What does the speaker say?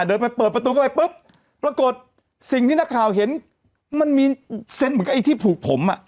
เดินไปเปิดประตูเข้าไปปุ๊บปรากฏสิ่งที่นักข่าวเห็นมันมีเซนต์เหมือนกับไอ้ที่ผูกผมอ่ะ